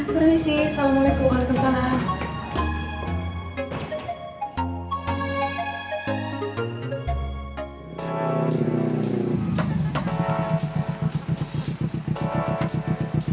perih sih salmanya kebukaan kesana